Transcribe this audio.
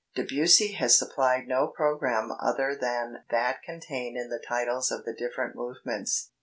Debussy has supplied no programme other than that contained in the titles of the different movements.